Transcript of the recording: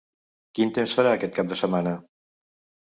Quin temps farà aquest cap de setmana?